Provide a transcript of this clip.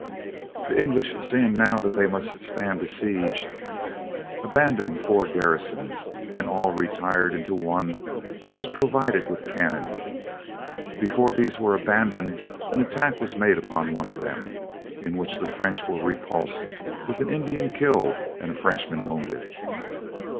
"The English seeing now that they must stand a siege, abandoned four garrisons, and all retired into one which was provided with cannon. Before these were abandoned, an attack was made upon one of them, in which the French were repulsed with an Indian killed and a Frenchman wounded.